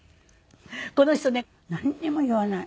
この人ねなんにも言わない。